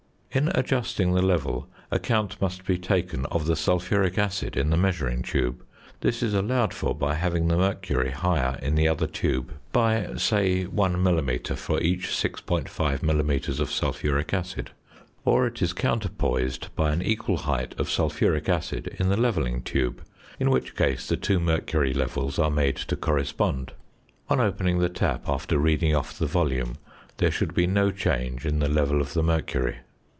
In adjusting the level, account must be taken of the sulphuric acid in the measuring tube; this is allowed for by having the mercury higher in the other tube by, say, 1 mm. for each 6.5 mm. of sulphuric acid, or it is counterpoised by an equal height of sulphuric acid in the levelling tube, in which case the two mercury levels are made to correspond. On opening the tap after reading off the volume, there should be no change in the level of the mercury.